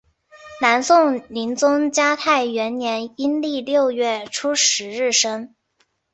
南宋宁宗嘉泰元年阴历六月初十日生。